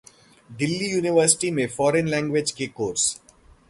Delhi university में foreign language के course